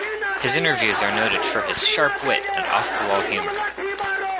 His interviews are noted for his sharp wit and off-the-wall humor.